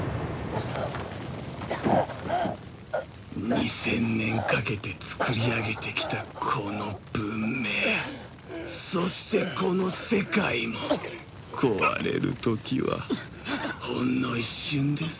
２０００年かけて創り上げてきたこの文明そしてこの世界も壊れる時はほんの一瞬です。